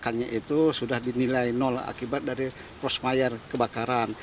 akannya itu sudah dinilai nol akibat dari prosmayer kebakaran